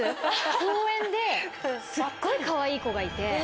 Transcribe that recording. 公園ですっごいかわいい子がいて。